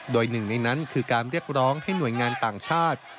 โดยหนึ่งในนั้นคือการเรียกร้องให้หน่วยงานต่างชาติ